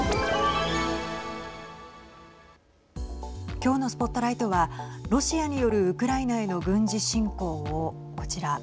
今日のＳＰＯＴＬＩＧＨＴはロシアによるウクライナへの軍事侵攻をこちら。